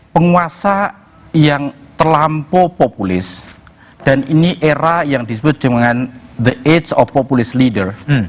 penguasa yang terlampau populis dan ini era yang disebut dengan the ages of populis leader